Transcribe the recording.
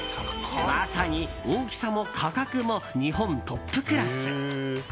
まさに、大きさも価格も日本トップクラス！